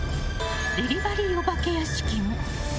デリバリーお化け屋敷も。